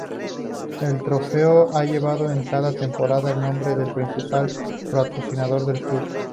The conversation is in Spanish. El trofeo ha llevado en cada temporada el nombre del principal patrocinador del club.